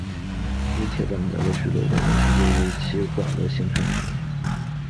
乳铁蛋白的许多功能特性取决于其寡聚态形式。